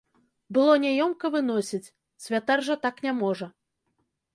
Было няёмка выносіць, святар жа так не можа.